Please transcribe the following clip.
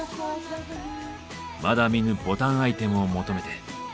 まだ見ぬボタンアイテムを求めて。